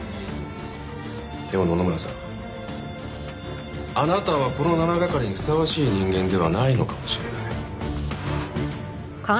でも野々村さんあなたはこの７係にふさわしい人間ではないのかもしれない。